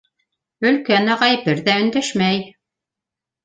Өлкән ағай бер ҙә өндәшмәй.